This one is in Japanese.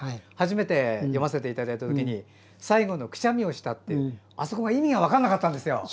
初めて読ませていただいたときに最後の「くしゃみをした」ってあそこが意味が分からなかったんですよ。